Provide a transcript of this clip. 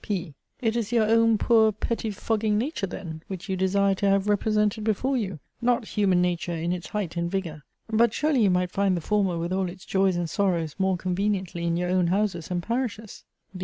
P. It is your own poor pettifogging nature then, which you desire to have represented before you? not human nature in its height and vigour? But surely you might find the former with all its joys and sorrows, more conveniently in your own houses and parishes.